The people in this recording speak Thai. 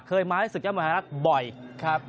เคยมาแต่ศึกเยี่ยมบรรทนักบ่อย